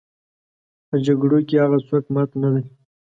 په جګړو کې هغه څوک مات نه دي.